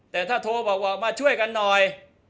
แต่ถ้าโทรบอกว่ามาช่วยกันหน่อย